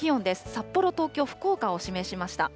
札幌、東京、福岡を示しました。